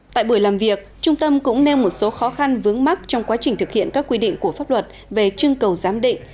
tại buổi làm việc trung tâm cũng nêu một số khó khăn vướng mắt trong quá trình thực hiện các quy định của pháp luật về chương cầu giám định